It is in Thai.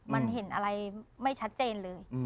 มันเห็นอะไรไม่ชัดเจนเลย